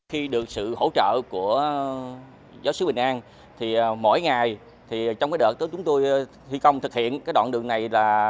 khi được sự hỗ trợ của giáo sứ bình an mỗi ngày trong đợt chúng tôi thi công thực hiện đoạn đường này